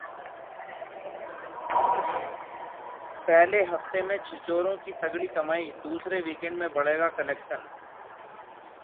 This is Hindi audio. पहले हफ्ते में छिछोरे की तगड़ी कमाई, दूसरे वीकेंड में बढ़ेगा कलेक्शन